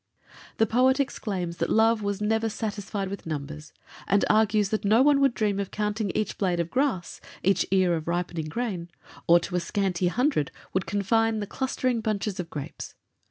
The poet exclaims that love was never satisfied with numbers, and argues that no one would dream of counting each blade of grass, each ear of ripening grain, or to a scanty hundred would confine the clustering bunches of grapes.